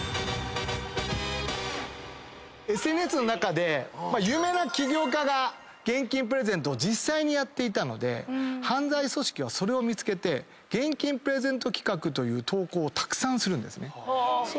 ＳＮＳの中で有名な起業家が現金プレゼントを実際にやっていたので犯罪組織はそれを見つけて現金プレゼント企画という投稿をたくさんするんですね。